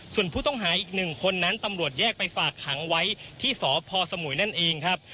ส่วนผู้ต้องหาอีกหนึ่งคนนั้นตำรวจแยกไปฝากขังไว้ที่สพสมุยนั่นเองครับ